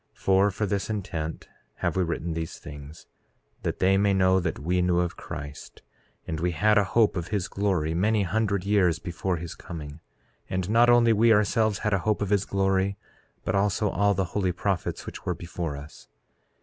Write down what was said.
4:4 For, for this intent have we written these things, that they may know that we knew of Christ, and we had a hope of his glory many hundred years before his coming; and not only we ourselves had a hope of his glory, but also all the holy prophets which were before us.